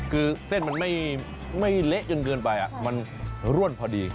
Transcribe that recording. คือเส้นมันไม่เละจนเกินไปมันร่วนพอดี